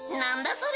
それ。